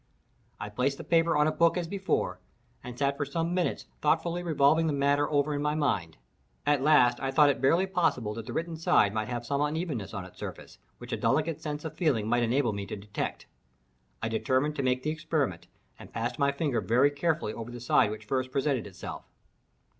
I placed the paper on a book as before, and sat for some minutes thoughtfully revolving the matter over in my mind. At last I thought it barely possible that the written side might have some unevenness on its surface, which a delicate sense of feeling might enable me to detect. I determined to make the experiment and passed my finger very carefully over the side which first presented itself.